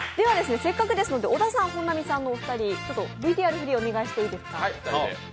せっかくですので小田さん、本並さんのお二人ちょっとＶＴＲ振りをお願いしていいですか。